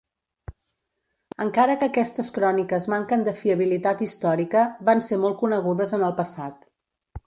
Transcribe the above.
Encara que aquestes cròniques manquen de fiabilitat històrica, van ser molt conegudes en el passat.